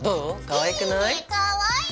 かわいくない？